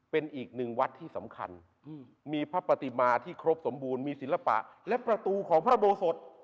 เป็นอีกหนึ่งวัดที่สำคัญมีพระปฏิมาที่ครบสมบูรณ์มีศิลปะและประตูของพระโบสถ